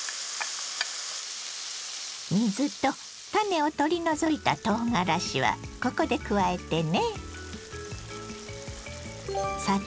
水と種を取り除いたとうがらしはここで加えてね。